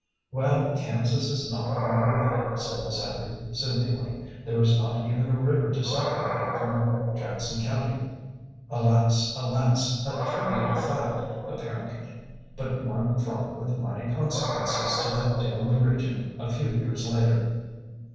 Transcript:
Well, Kansas is not far away," said Miss Abby, sooth ingly. '' There is not even a river to separate it from Jackson County." Alas ! Alas ! A trivial fact, apparently, but one fraught with mighty consequences to that doomed region a few years later.